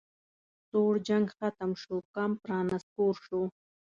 سوړ جنګ ختم شو کمپ رانسکور شو